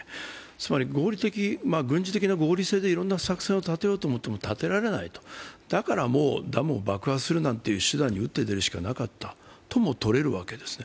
つまり軍事的な合理性でもっていろいろ作戦を立てたいがもう立てられないと、だから、もうダムを爆破するなんていう手段に打って出るしかなかったともとれるわけですね。